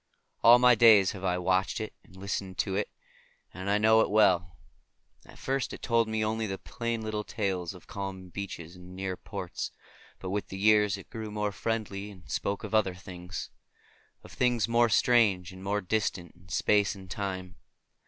All my days have I watched it and listened to it, and I know it well. At first it told to me only the plain little tales of calm beaches and near ports, but with the years it grew more friendly and spoke of other things; of things more strange and more distant in space and in time.